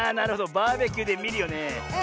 バーベキューでみるよね。